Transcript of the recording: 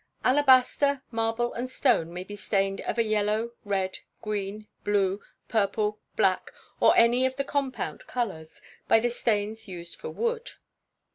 Alabaster, marble, and stone, may be stained of a yellow, red, green, blue, purple, black, or any of the compound colours, by the stains used for wood.